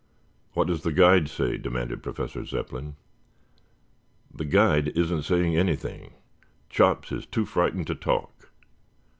"What does the guide say?" demanded Professor Zepplin. "The guide isn't saying anything. Chops is too frightened to talk.